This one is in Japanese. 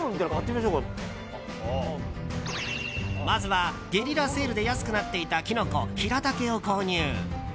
まずは、ゲリラセールで安くなっていたキノコヒラタケを購入。